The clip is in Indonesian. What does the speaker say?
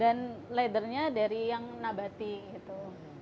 dan leathernya dari yang nabati gitu